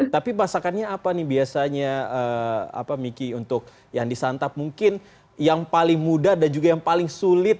tapi masakannya apa nih biasanya apa miki untuk yang disantap mungkin yang paling mudah dan juga yang paling sulit